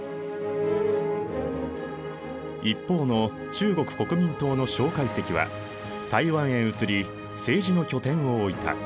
一方の中国国民党の介石は台湾へ移り政治の拠点を置いた。